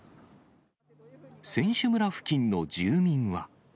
選手村付近の住民は。